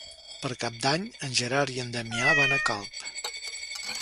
Per Cap d'Any en Gerard i en Damià van a Calp.